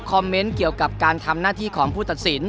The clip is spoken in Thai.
เมนต์เกี่ยวกับการทำหน้าที่ของผู้ตัดสิน